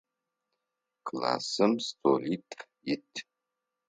Классым столитф ит.